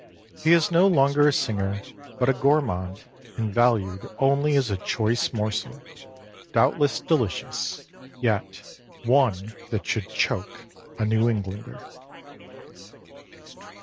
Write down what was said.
He is no longer a singer but a gourmand and valued only as a choice morsel, doubtless delicious, yet one that should choke a New Englander.